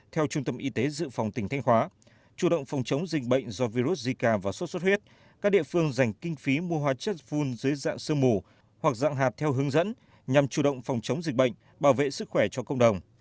theo trung tâm y tế dự phòng tỉnh thanh hóa chủ động phòng chống dịch bệnh do virus zika và sốt xuất huyết các địa phương dành kinh phí mua hóa chất phun dưới dạng sương mù hoặc dạng hạt theo hướng dẫn nhằm chủ động phòng chống dịch bệnh bảo vệ sức khỏe cho cộng đồng